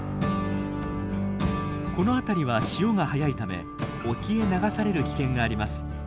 この辺りは潮が速いため沖へ流される危険があります。